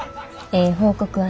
ええ報告はな